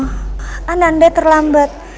sehingga ananda terlambat